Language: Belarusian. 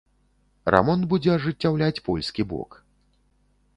Рамонт будзе ажыццяўляць польскі бок.